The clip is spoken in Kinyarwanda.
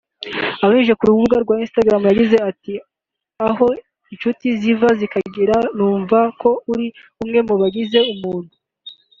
Abinyujije kuri Instagram yagize ati “Aho inshuti ziva zikagera navuga ko uri umwe mu bagira ubuntu